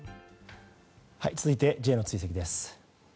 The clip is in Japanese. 続いてＪの追跡です。